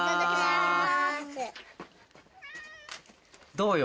どうよ。